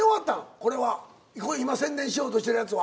これは今宣伝しようとしてるやつは。